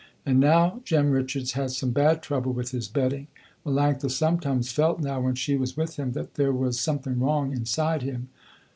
And now Jem Richards had some bad trouble with his betting. Melanctha sometimes felt now when she was with him that there was something wrong inside him.